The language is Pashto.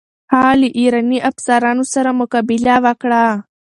هغه له ایراني افسرانو سره مقابله وکړه.